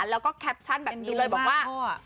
แล้วก็แคปชั่นแบบนี้เลยบอกว่า